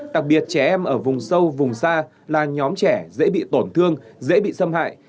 đặc biệt trẻ em ở vùng sâu vùng xa là nhóm trẻ dễ bị tổn thương dễ bị xâm hại